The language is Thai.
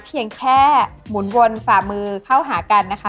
เพียงแค่หมุนวนฝ่ามือเข้าหากันนะคะ